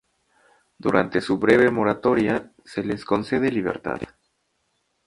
Durante su breve moratoria, se les concede libertad.